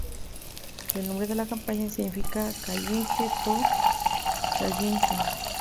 El nombre de la compañía significa "Challenge To Challenge".